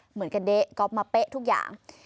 เหมือนกันเด๊ะก๊อฟมาเป๊ะทุกอย่าง